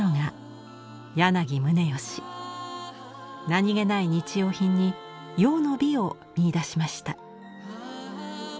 何気ない日用品に「用の美」を見いだしました。